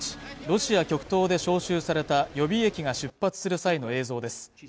ロシア極東で招集された予備役が出発する際の映像です